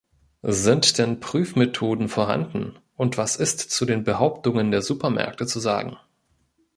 Sind denn Prüfmethoden vorhanden, und was ist zu den Behauptungen der Supermärkte zu sagen?